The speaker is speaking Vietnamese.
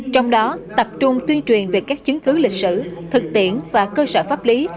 trong đó tập trung tuyên truyền về các chứng cứ lịch sử thực tiễn và cơ sở pháp lý